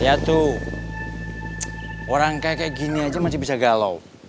ya tuh orang kayak gini aja masih bisa galau